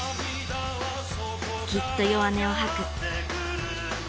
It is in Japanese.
きっと弱音をはく。